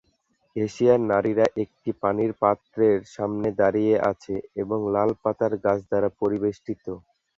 এশিয়ার নারীরা একটি পানির পাত্রের সামনে দাঁড়িয়ে আছে এবং লাল পাতার গাছ দ্বারা পরিবেষ্টিত।